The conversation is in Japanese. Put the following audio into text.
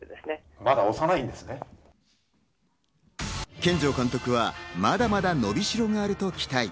権丈監督はまだまだ伸びしろがあると期待。